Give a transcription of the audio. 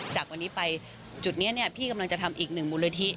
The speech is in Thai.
จากวันนี้ไปจุดนี้พี่กำลังจะทำอีกหนึ่งมูลนิธิ